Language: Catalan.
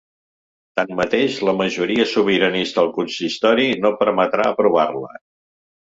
Tanmateix, la majoria sobiranista al consistori no permetrà aprovar-la.